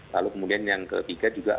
lalu kemudian yang ketiga juga